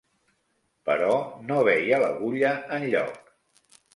...però no veia l'agulla enlloc.